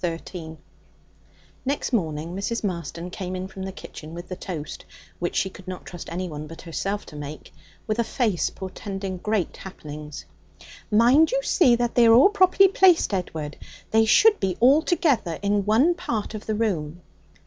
Chapter 13 Next morning Mrs. Marston came in from the kitchen with the toast, which she would not trust anyone but herself to make, with a face portending great happenings. 'Mind you see that they are all properly placed, Edward; they should be all together in one part of the room.'